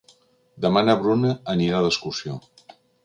Demà na Bruna anirà d'excursió.